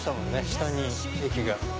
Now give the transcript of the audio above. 下に駅が。